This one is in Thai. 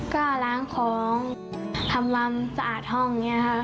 ก็ล้างของทำความสะอาดห้องอย่างนี้ค่ะ